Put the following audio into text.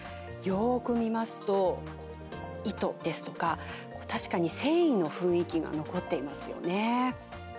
よく見ますと糸ですとか確かに繊維の雰囲気が残っていますよね。